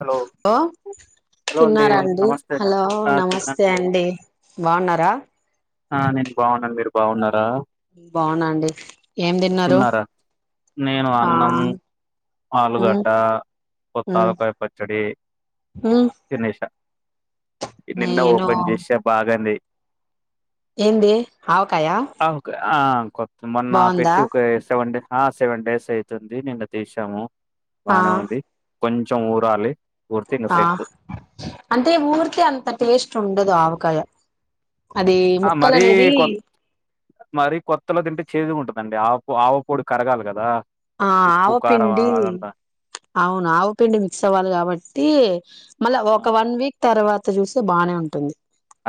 Hello ఆ hello అండి తిన్నారాండి నమస్తే హలో ఆ నమస్తే తిన్నండి అండి బాగున్నారా ఆ నేను బాగున్నా మీరు బాగున్నా రా బాగున్నాండి ఏం తిన్నారు తిన్నారా నేను ఆ అన్నం ఉమ్ ఆలుగడ్డ ఉమ్ కొత్తాఅవకాయ పచ్చడి ఉమ్ తినేసా నిన్న నేను ఓపెన్ చేసా బాగాంది ఏంది ఆవకాయ కొత్ మొన్న పెట్టి ఒక సెవెన్ డే ఆ సెవెన్ డేస్ అయితుంది నిన్న తీసాము ఆ బానే ఉంది కొంచెం ఊరాలి ఊరితే ఇంక ఆ సెట్ అంటే ఊరికే అంత టేస్ట్ ఉండదు ఆవకాయ అది ముక్కలు అనేది మర కొత్తలో తింటే చేదు ఉంటదండి ఆ ఆవపూడి కరగాలి కదా ఆ ఉప్పు కారం ఆవపిండి అదంతా అవును ఆవపిండి మిక్స్ అవ్వాలి కాబట్టి ట్టి మళ్ళా ఆ ఒక వన్ వీక్ తర్వాత చూస్తే బాగానే ఉంటుంది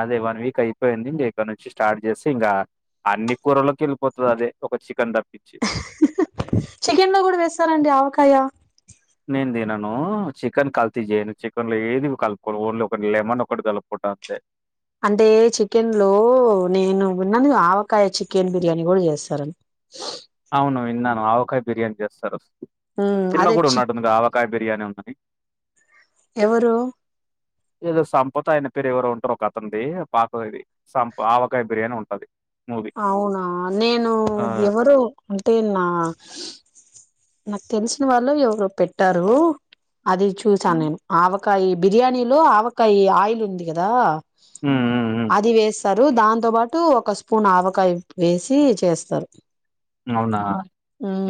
అదే వన్ వీక్ అయిపోయింది రేప నుంచి స్టార్ట్ చేస్తే ఇంకా అన్ని కూరల్లోకి వెళ్ళిపోతుంది అదే ఒక చికెన్ దప్పి చికెన్ లో కూడా వేస్తారండి ఆవకాయ నేను తినను చికెన్ కలిత చేయను చికెన్ లో ఏది కలుపుకోవడం ఓన్లీ ఒకటి లెమన్ ఒకటి కలుపుకోవడం అంతే అంటే చికెన్ లో నేను విన్నను ఆవకాయ చికెన్ బిర్యానీ కూడా చేస్తారని అవును విన్నాను ఆవకాయ బిర్యానీ చేస్తారు ఉమ్ చిన్న అదే కూడా చిక్ ఉన్నట్టు ఆవకాయ బిర్యానీ ఉందని ఎవరు ఏదో సంపద ఆయన పేరు ఎవరు ఉంటారు ఒక అతన్ది పాతదది సంప ఆవకాయ బిర్యానీ ఉంటది మూవీ అవునా నేను ఆ ఎవరో అంటే నా నాకు తెలిసిన వాళ్ళు ఎవరో పెట్టారు అది చూసాను ఉమ్ నేను ఆవకాయ బిర్యానీలో ఆవకాయ ఆయిల్ ఉంది కదా ఉమ్ ఉమ్ ఉమ్. అది వేస్తారు దాంతో పాటు ఒక పూను ఆవకాయ వేసి చేస్తారు అవునా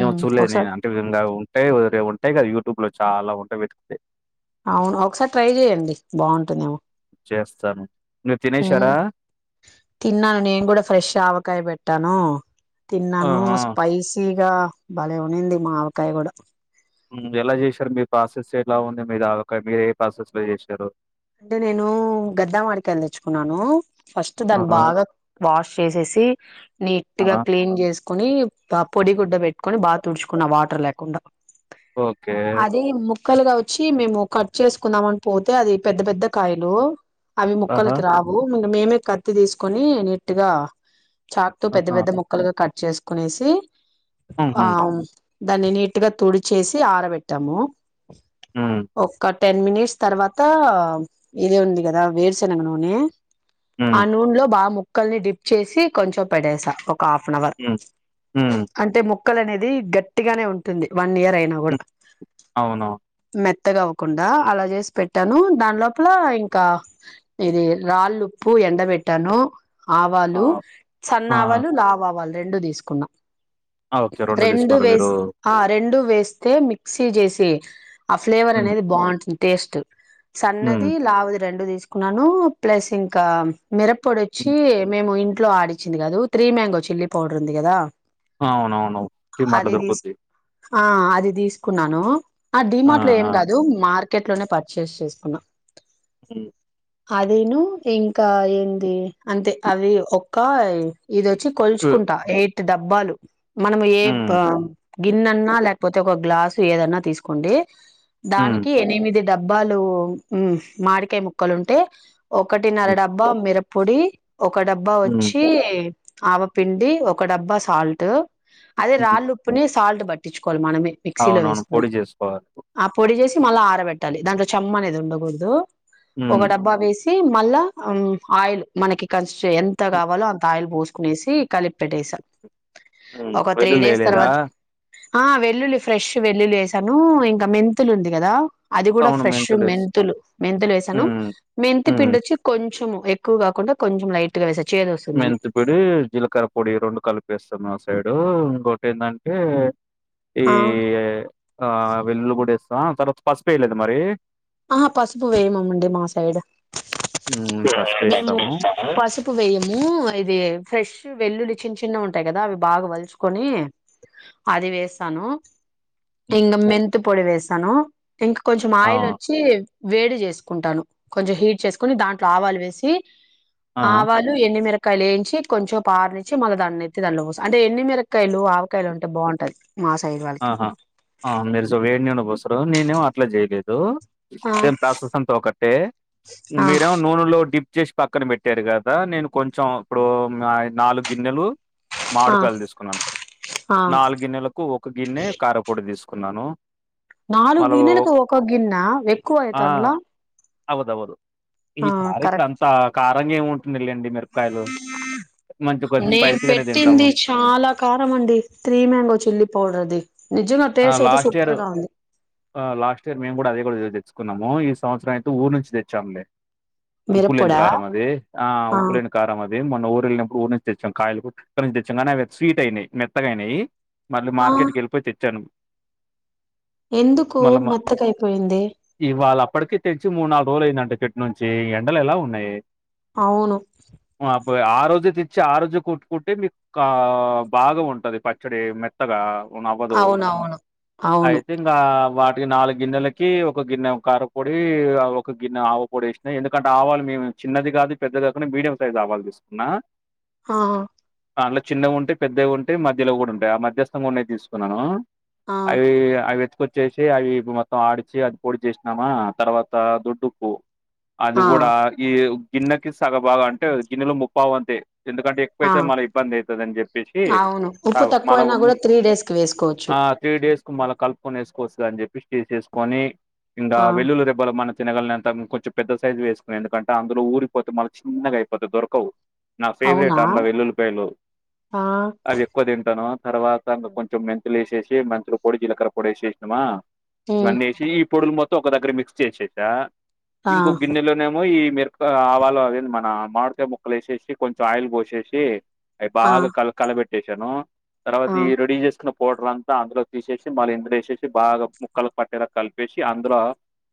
ఏమో చూడలేదు నేను ఒకసారి అంటే ఉంగ ఉంటాయ్ ఉంటాయ్ గ యూట్యూబ్ లో చాలా ఉ అట్లా పెట్తే అవును ఒకసారి ట్రై చెయ్యండి బాగుంటుందేమో చేస్తాను మీరు ఉమ్ తినేశారా తిన్నాను నేను కూడా ఫ్రెష్ ఆవకాయ్ బెట్ ట్టాను తిన్నాను ఆహా! స్పైసీగా భలే ఉనింది మా ఆవకాయ కూడా హ్మ్ ఎలా చేశారు మీ ప్రాసెస్ ఎలా ఉంది మీరు మీరు ఏ ప్రాసెస్ లో చేసారు అంటే నేను గద్ద మాడికాయలు తెచ్చుకున్నాను ఫస్ట్ దాన్ని ఆహా! బాగా వాష్ చేసేసి నీట్ గా ఆహా! క్లీన్ చేస్ కుని పొడి గుడ్డ పెట్టుకొని బాగా తుడుచుకున్నా వాటర్ లేకుండా ఓకే అది ముక్కలుగా వచ్చి మేము కట్ చేసుకుందామని పోతే అది పెద్ద పెద్ద కాయలు అవి ఆహా! ముక్కలకి రావు మేమే కత్తి తీసుకొని నీట్గా చాక్ తో పెద్ద ఆహా! పెద్ద ముక్కలుగా కట్ చేసుకునేసి ఆ హుహు. దాన్ని నీట్గ తుడిచేసి ఆరబెట్టాము హ్మ్. ఒక్క టెన్ మినిట్స్ తర్వాత ఇదే ఉంది కదా వేరుశనగ నూనె ఆ హ్మ్. నూనెలో బాగా ముక్కల్ని డిప్ చేసి కొంచెం పెటెసా ఒక హాఫ్ అన్ అవర్ హ్మ్. హ్మ్. అంటే ముక్కలు అనేది గట్టిగానే ఉంటుంది వన్ ఇయర్ అయినా కూడా హ్మ్. అవునవును. మెత్తగా అవ్వకుండ అలా చేసి పెట్ పెట్టాను దాని లోపల ఇంకా ఇది రాళ్ళుప్పు ఎండపెట్టాను ఆ! ఆవాలు సన్న ఆ! ఆవాలు లావాఆవాలు రెండు తీసుకున్నా ఆ! ఓకే. రెండు తీసుకున్నారా మీరు? వేస్ ఆ రెండు వేస్తే మిక్సీ చేసి ఆ ఫ్లేవర్ హ్మ్. అనేది బాగుంటుంది టేస్ట్ హ్మ్. సన్నది లావుది రెండు తీసుకున్నాను ప్లస్ ఇంకా మిరపోడొచ్చి హ్మ్. మేము ఇంట్లో ఆడిచ్చింది కాదు త్రీ మ్యాంగో చిల్లీ పౌడర్ ఉంది కదా అవునవును. డీమార్ట్‌లో అది తీ దొరుకుద్ది. ఆ అది తీసుకున్నాను ఆ డిమార్ట్ లో ఏం కాదు మార్కెట్ లోనే పర్చేస్ చేసుకున్నా ము అదీను ఇంకా ఏంది అంతే అది ఒక్క ఇది వచ్చి హ్మ్. కొలుచుకుంటా ఎయిట్ డబ్బాలు మనం ఏ హ్మ్. గిన్నెన్నా లే పోతే ఒక గ్లాసు ఏదన్నా తీసుకోండి హ్మ్. దానికి ఎనిమిది డబ్బాలు మాడికాయ ముక్కలుంటే ఒకటి నర హ్మ్. డబ్బ మిర పొడి ఒక డబ్బా హ్మ్. వచ్చి ఆవపిండి ఒక డబ్బా సాల్ట్ అదే హ్మ్. రాళ్ళుప్పుని సాల్ట్ పట్టించుకోవలి మనమే మిక్సీలో అవునవును. వేసుకొని పొడి చేసుకోవాలి. ఆ పొడి చేసి మళ్ళా ఆరబెట్టాలి దాంట్లో చెమ్మ అనేది ఉండకూడదు ఒక హ్మ్. డబ్బా వేసి మళ్ళా ఆయిల్ మనకి క ఎంత కావాలో అంత ఆయిల్ పోసుకునేసి కలిపి పెట్టే సా హ్మ్. ఒక త్రీ డేస్ వెల్లుల్లేయలేదా? తర్వాత ఆ వెల్లుల్లి ఫ్రెష్ వెల్లుల్లి వేసాను ఇంకా మెంతులు ఉంది కదా అది కూడా అవును. ఫ్రెష్ మెంతులేస్ మెంతులు మెంతులు వేసాను హ్మ్. మెంతి హ్మ్. పిండి వచ్చి కొంచెము ఎక్కువ కాకుండా కొంచం లైట్గా వేసా చేదు వస్తుందని మెంతిపొడి జీలకర పొడి రెండు కలిపేస్తున్నారు సైడు ఇంకోటి ఏంటంటే ఈ ఆ ఆ వెల్లుల్లి కూడా తర్వాత పసుపేయలేద మరి ఆహ పసపు వేయండి వేయమమండి మా సైడు హ్మ్. మేము పసుపేస్తాము. పసుపు వేయము ఇది ఫ్రెష్ వెల్లులి చిన్న చిన్న ఉంటయి కదా అవి బాగా వలుచుకొని అది వేస్తాను హ్మ్. ఇంగ మెంతు పొడి వేసాను ఇంకా కొంచం ఆ! ఆయిల్ వొ చ్చి వేడి చేసుకుంటాను కొంచెం హీట్ చేసుకొని దాంట్లో ఆవాలు వేసి ఆహా! ఆవాలు ఎన్నిమిరప కాలేంచి కొంచెపు ఆరనిచ్చి మళ్ళ దానెత్తి దాంట్లో పోసి అంటే ఎన్నిమిరపకాయలు ఆవకాయలో ఉంటే బాగుంటది మా సైడ్ వాళ్ళకి ఆహా ఆ మీరు సు వేడి నూనె పోస్తారు నేనేమో అట్లా చేయలేదు సేమ్ ఆ ప్రాసెస్ అంతా ఒకటే మీరేమో నూనెలో డిప్ చేసి పక్కన పెట్టారు కదా నేను కొంచెం ఇప్పుడు నాలుగు గిన్నెలు ఆ మాడుకాయలు తీసుకున్నాను ఆ నాలుగు గిన్నెలకు ఒక గిన్నె కారపొడి తీసుకున్నాను నాలుగు మళ్ళా ఓ గిన్నలకు ఒక్క గిన్న ఏక్కువ అయితాండ్ల అవుదువదు ఈ కార ఇక్కడ అంత కారంగా ఏముంటుందిలేండి మిరపకాయలు మంచి కొంచెం నేను స్పైసీగానే పెట్టింది తింటాము. చాలా కారం అండి త్రీ మ్యాంగో చిల్లీ పౌడర్ది నిజంగా ఆ టేస్ట్ అయితే లాస్ట్ ఇయర్ సూపర్ గా ఉంది లాస్ట్ ఇయర్ మేము కూడా అదే కూడా తె కున్నాము ఈ సంవత్సరం అయితే ఊరు నుంచి తెచ్చాములే ఉప్పు లేని మిరప్పొడా కారం అది ఆ ఉప్పు లేని కారం అది మొన్న ఊరు వెళ్ళినప్పుడు ఊరి నుం తెచ్చాం కాయలు చెట్టు నుంచి తెచ్చాం కానీ అవి స్వీట్ అయినాయి మెత్తగా అయినాయి మళ్ళీ ఆ మార్కెట్కి వెళ్ళిపోయి తె చ్చాను ఎందుకు మెత్తగా అయిపోయింది ఇప్పటికి తెచ్చి మూడు నాలుగు రోజులు అయిందంటే చెట్టు నుంచి ఎండలు ఎలా ఉన్నాయి అవును అబ్బ ఆ రోజే తెచ్చి ఆ రోజే కొట్టుకుంటే మీకు బాగా ఉంటుంది పచ్చడి మెత్తగా నవ్వదు అవునవును అవును ఐథింక్ ఆ వాటి ఇ నాలుగు గిన్నెలకి ఒక గిన్నె కారపొడి ఒక గిన్నె ఆవుపొడి వేసినాయి ఎందుకంటే ఆవాలు మేము చిన్నది కాదు పెద్దది కాకుండా మీడియం సైజ్ ఆవాలు తీసుకున్నా ఆ దానిలో చిన్నవి ఉంటయి పెద్దవి ఉంటే మధ్యలో కూడా ఉంటాయి ఆ మధ్యస్థంగా ఉన్నయి తీసుకున్నాను ఆ అవి అవి ఎత్తు కొచ్చిసి అవి మొత్తం ఆడిచి అది పొడి చేసినామా తర్వాత దొడ్డుప్పు అది ఆ కూడా ఈ గిన్నెకి సగ బాగం అంటే గిన్నెలో ముప్పావు వంతే ఎందుకంటే ఆ ఎక్కువైతే మళ్ళ ఇబ్బంది అవుతందని చెప్పేసి అవును ఉప్పు తక్కువైనా మ కూడా త్రీ డేస్ కి వేసుకోవచ్చు ఆ త్రీ డేస్ కు మళ్ళ కలుపుకొని వేసుకోవస్తుంది అని చెప్పి చేసేసుకొని ఇంక ఆ వెళుళ్ళి రెబల మన తినగల అంత కొంచెం పెద్ద సైజు వేసుకు ఎందుకంటే అందులో ఊరిపోతే మళ్ళ చిన్నగా అయిపోతంది దొరకవు నా అవునా ఫేవరెట్ అండ వెల్లులిపాయలు ఆ అవి ఎక్కువ తింటాను తర్వాతంకా ఆ కొంచెం మైంతు లేసేసి మంచల పొడి జీలక్రర్ర పొడి వేసినమా ఉమ్ ఇవన్నీసి ఈ పొడులు మొత్తం ఒక దగ్గర మిక్స్ చేసేసా ఆ ఇంకో గిన్నెలోనేమో ఈ మీరు ఆవాలో అవ మన మామిడికాయ ముక్కలు వేసేసి కొంచెం ఆయిల్ పోసేసి అవి బాగా కల కలబెట్టేశాను తర్వాత ఆ ఈ రెడీ చేసుకున్న పౌడర్ అంతా అందులో తీసేసి మళ్ళీ ఇందులో వేసేసి బాగా ముక్కలు పట్టేలా కలిపేసి అందులో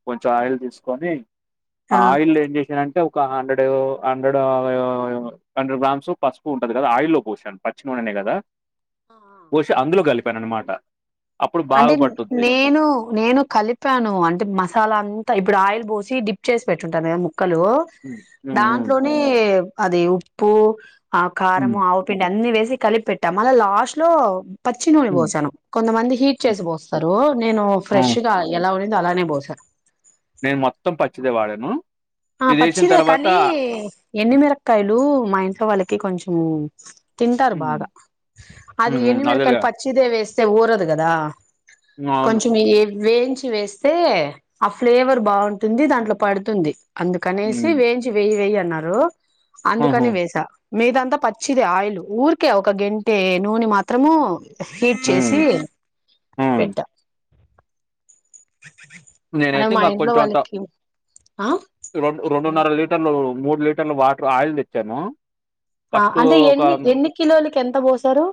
కొంచెం ఆయిల్ తీసుకొని ఆ ఆయిల్ ఏం చేసానంటే ఒక హండ్రెడ్ హండ్రెడ్ హండ్రెడ్ గ్రామ్స్ పసుపు ఉంటది కదా ఆయిల్లో పోశాను పచ్చి నూనెనే కదా ఆ పోసి అందులో కలిపాను అన్నమాట అంటే నేను నేను కలిపాను అంటే మసాలా అం ఇప్పుడు ఆయిల్ పోసి డిప్ చేసి పెట్టుంటాను నే ముక్కలు ఉమ్, ఉమ్, దాంట్లోనే అది ఉప్పు ఆ కారం ఉమ్, ఉమ్, ఆవుపిండి అన్ని వేసి కలిపి పెట్టాము మళ్ళ లాస్ట్ లో పచ్చి నూనె ఉమ్, పోసాను కొంతమంది హీట్ ఉమ్. చేసి పోస్తారు నేను అవును, ఫ్రెష్ గా ఎలా ఉ అలానే పోసా నేను మొత్తం పచ్చిదే వాడాను ఆ ఇది చేసిన పచ్చిదే తర్వాత కానీ ఎండి మిరకాయలు మా ఇంట్లో వాళ్ళకి కొంచెం ఉమ్ తింటారు హ్మ్ బాగా అది ఎండి హ్మ్ మిరకాయలు అదేలే పచ్చిదే వేస్త స్తే ఊరదు కదా హ్మ్. అవును. కొంచెం వేయిం చి వేస్తే ఆ ఫ్లేవర్ బాగుంటుంది దాంట్లో పడుతుంది అందుకనేసి హ్మ్. వేయించి వేయి వేయి అన్నారు హుహు. అందుకని వేసా మీదంతా పచ్చిదే ఆయిల్ ఊరికే ఒక గెంటే నూనె మాత్రము హీట్ హ్మ్. చేసి హ్మ్. పెట్టా అనే నేనైతే మా ఇంకా ఇంట్లో కొంచెం అంత వాళ్ళకి ఆ రెండు రెండున్నర లీటర్లు మూడు లీటర్ల వాటర్ ఆయిల్ తెచ్చాను ఆ ఫస్టు అంటే ఒక ఎన్ని ఎన్ని కిలోలకి ఎంత పోసారు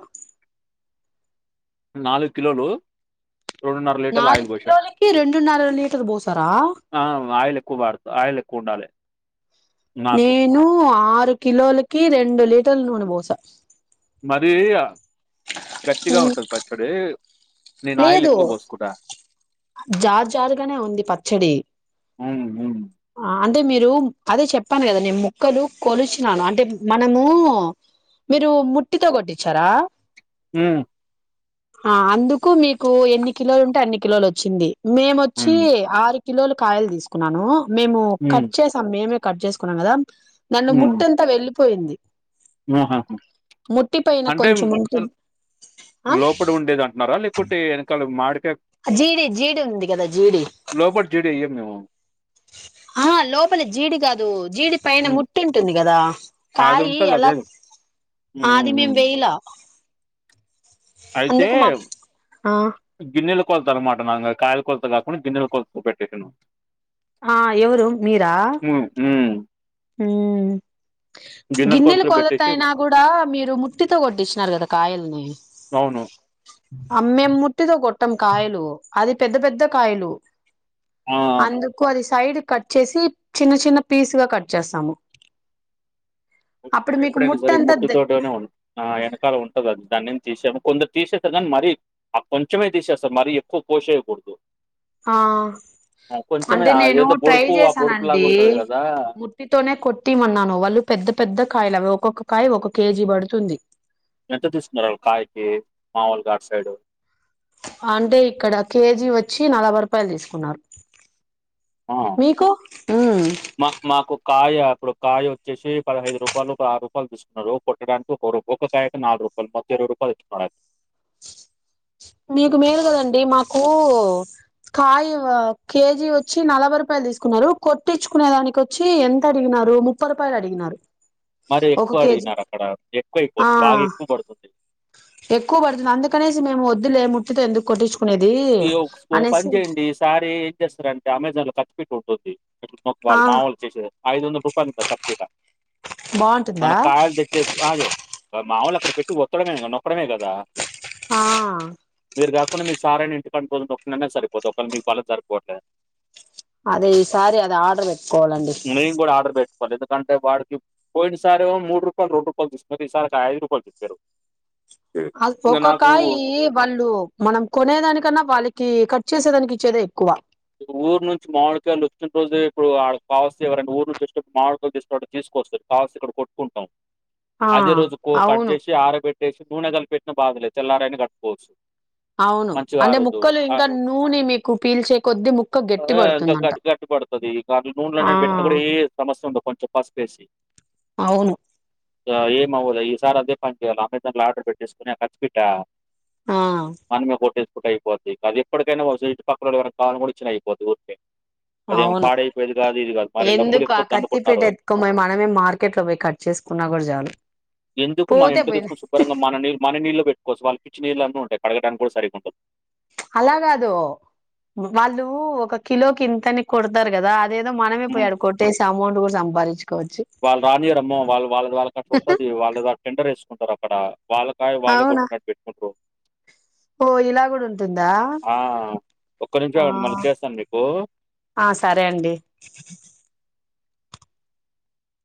నాలుగు కిలోలు లీటర్ల ఆయిల్ నాలుగు పోసా. కిలోలకి రెండున్నర లీటర్ పోసారా ఆ ఆయిల్ ఎక్కువ వా డతు ఆయిల్ ఎక్కువ ఉండాలి నేను ఆరు కిలోలకి రెండు లీటర్ల నూనె పోసా మరీ గట్టిగా ఉంటది పచ్చడి నేనా ఆయిల్ లేదు ఎక్కువ పోసుకుంట జార్ జారుగానే ఉంది పచ్చడి అవువు ఆ అంటే మీరు అదే చెప్పాను కదా నేను ముక్కలు కొలిచినాను అంటే మనము మీరు ముట్టితో కొట్టించారా ఉమ్ ఆ అందుకు మీకు ఎన్ని కిలోలు ఉంటే అన్ని కిలోలు వచ్చింది మేముొచ్చి హ్మ్. ఆరు కిలోలు కాయలు తీసుకున్నాను మేము హ్మ్. కట్ చేసాం మేమే కట్ చేసుకున్నాం కదా దాని హ్మ్. ముట్టెంత వెళ్ళలిపోయింది [unintelligible] అంటే కొంచెం ఉంటుంది ఆ లోపలి ఉండేది అంటున్నారా లేకుే వెనకాల మాడి జీడి జీడి ఉంది కదా జీడి లోపటి జీదీర్ వెయ్యద్దు ఏమో ఆ లోపల జీడి కాదు జీడి పైన హ్మ్. ముట్టి ఉంటుంది కదా అది కాయ ఉంటది ఎలా అదేను. హ్మ్. హ్మ్. అది హ్మ్. మేము వెయ్యలా అయితే ఆ గిన్నెలో కొలత అనమాట నాం కాయల కొలత కాకుండా గిన్నెల కొలత పెట్టిన్నా ఆహ్ ఎవరు మీరా హ్మ్. హమ్ గిన్నెల గిన్నెలు కొలతలో కొలత పెట్టేసి అయినా కూడా మీరు ముట్టితో కొట్టించినారు కదా కాయల్ని అవును. అమ్మే ముట్టితో కొట్టం కాయలు అది పెద్ద పెద్ద కాయలు ఆ! అందుకు అది సైడ్ కట్ చేసి చిన్న చిన్న పీస్ గా కట్ చేస్తాము అప్పుడు నేను మీకు ఎప్పుడైనా ముట్ట సరే అంతా ముట్టితోటనే వెనకాల ఉంటది అది దాన్నించి తీసేము కొందరు తీసేస్తా కానీ మరి ఆ కొంచెమే తీసేస్తాం మర ఎక్కువ కో సేయకూడదు ఆ కొంచెమే అంటే నేను అదేదో ట్రై బొడుపు ఆ చేశానండి బొడుపులాగా ఉంటది గదా! ముట్టి తోనే కొట్టిమన్నాను వాళ్ళు పెద్ద పెద్ద కాయల ఒక్కొక్క కాయ ఒక కేజీ పడుతుంది ఎంత తీసుకున్నన్నారు ఒక కాయకి మామూలుగా అటు సైడు అంటే ఇక్కడ కేజీ వచ్చి నలభై రూపాయలు తీసుకున్నారు ఆ! మీకు ఉమ్ మా మాకు కాయ ఇప్పుడు కాయ వచ్చేసి పదిహైదు రూపాయలు ఒక ఆరు రూపాయలు తీసుకున్నారు కొట్టడానికి ఒక ఒకక్క కాయకి నాలుగు రూపాయలు కొంత మంది ఇరవై రూపాయలు తీసుకున్నారు మీకు మేలు కదండి మాకు కాయ కేజీ వచ్చి నలభై రూపాయలు తీసుకున్నారు కొట్టిచ్చుకునే దాక వచ్చి ఎంత అడిగిన ముఫై రూపాయలు అడిగినారు మర ఒక ఎక్కువ కేజీ అడిగినారు అక్కడ ఎక్కువ ఆ అయిపోతుంది బాగా ఎక్కువ పడుతుంది ఎక్కువ పడుతుంది అందుకనేసి మేము వద్దులే ముట్తో ఎందుకు కొట్టించుము ఈ పని చేయండి ఈసారి ఏం చేస్తారంటే అమెజాన్ లో కత్తి పీట పెట్టి ఉంటుంది ఎ ఆ మొకువి మామూలు చేసే ఐదు వందల రూపాయలు ఉంటుంది కత్తి పీట మన బాగుంటుందా కాయల తెచ్చిసి కాదు మాముూలు అక్కడ పెట్టి ఒత్తడమేదొక్కడమే కదా ఆ మీరు కాకుండా మీరు సార్ అని ఇక్కడి కొంచ ఒకనా సరిపోతే ఒకళ్ళ మీకు బళ సరిపోవట్లేదా అదే ఈసారి అది ఆర్డర్ పెట్టుకోవాలండి. కంటే వాడికి పోయినసార్ ఏమొ మూడు రూపాయలు రెండు రూపాయలు తీసుకు ఈసారికి ఐదు రూపాయలు తిప్పరు. ఆల్ ఒక్కకాయి వాళ్ళు మనం కొనేదానికి కన్నా వాళ్ళకి కట్ చేసేదానికి ఇచ్చేద ఎక్కువ ఊరు నుంచి మామిడికాయలు వచ్చిన రోజే ఇప్పుడు కావాల్స్త ఎవరనా ఊరు నుంచి వచేటపుడు మామిడిగాలు తీసుకో [unintelligible] కోసుకొని కావలిస్తే ఇక్కడ కొట్టుకుంటాం ఆ అదే రోజు కొ కట్ అవును చేసి ఆట్ ఏసి నూన కలిపెట్న బాధలేద్ తెల్లరైనా కల్పుకోవచ్చు అవును అంటే ముక్కలు ఇంకా నూనె మీకు పీల్చే కొద్ద్దీ ముక్కక్ ఆ ఇంకా గట్టి గట్టి పడుతది ఈ కాన్ ఆ నూనెలోనే పెట్టినా కూడా ఏ సమస్య ఉండ కొంచెం పసిపేసి అవును సొ ఏమవలె ఈసారి అదే పని చేయాలి అమెజాన్ లో ఆర్డర్ పెట్టేసుకుని ఆ కత్తి పీట ఆ మనమే కొట్టేసుకుంటే అయిపోద్ది అది ఎప్పటికైనా ఇటు పక్కల ఎవర [unintelligible] అయిపోది ఊరికే అదేమో అవును పాడైపోయిది కా ఎందుకు ఆ కత్తిపేట ఎతుకొమయి మనమే మార్కెట్ లో పోయి కట్ చేసుకున్నా కూడా చాలు ఎందుకు మన పోతే ఇంట్ల పోయింది తెచుకొని శుభ్రంగా మన మన నీళలో పెట్కోవచ్చ వాళ్ళకిిచ్చిన ఏం లన్న ఉంటయి కడగడానికి కూడా సరిగా ఉండదు అలా కాదు వాళ్ళు ఒక కిలోకిింతని కొడతారు కదా అ అదేదో మనమే హ్మ్. పోయాడకోటేస్ అమౌంట్ కూడా సంపాదించు వాళ్ళు రానియరమ్మో వాళ్ళు వాళ్ళ వాళ్ళ అట్ ఉంటది వాళ్ళ టెండర్ వేసుకుంటారు అక్కడ వాళ్ళ కాయ వాళ్ళు అవునా కొట్టినట్ పెట్టుకుంట్రు ఓ ఇలా కూడా ఉంటుందా ఆ! ఒక్క నిమిషం ఆ ఆగండి మళ్ళీ చేస్తాను మీకు. ఆ సరే అండి